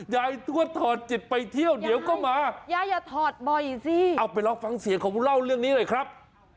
ทวดถอดจิตไปเที่ยวเดี๋ยวก็มายายอย่าถอดบ่อยสิเอาไปลองฟังเสียงเขาเล่าเรื่องนี้หน่อยครับ